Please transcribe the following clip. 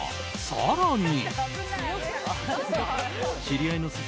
更に。